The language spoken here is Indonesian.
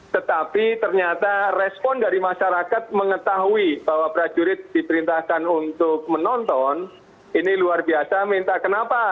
tetapi ternyata respon dari masyarakat mengetahui bahwa prajurit diperintahkan untuk menonton ini luar biasa minta kenapa